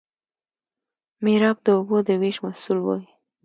میرآب د اوبو د ویش مسوول وي.